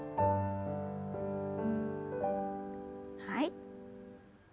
はい。